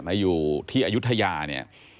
มาอยู่ที่อายุทยาเนี่ย